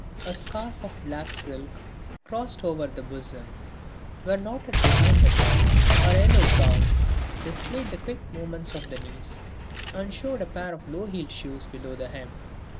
A scarf of black silk, crossed over the bosom, was knotted behind the back. Her yellow gown displayed the quick movements of the knees and showed a pair of low heeled shoes below the hem.